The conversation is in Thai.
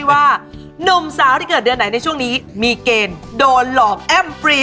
โหยิวมากประเด็นหัวหน้าแซ่บที่เกิดเดือนไหนในช่วงนี้มีเกณฑ์โดนหลอกแอ้มฟรี